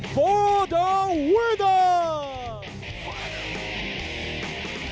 เพื่อรู้ชมมัน